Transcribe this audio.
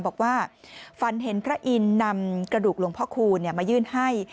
บอกว่าฝันเห็นพระอินทร์นำกระดูกหลวงพ่อคูณมายื่นให้